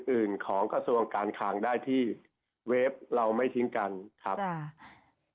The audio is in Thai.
อื่นของกระทรวงการคลังได้ที่เว็บเราไม่ทิ้งกันครับค่ะ